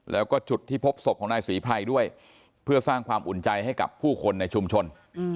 แล้วก็จุดที่พบศพของนายศรีไพรด้วยเพื่อสร้างความอุ่นใจให้กับผู้คนในชุมชน